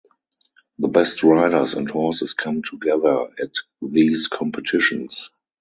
The best riders and horses come together at these competitions.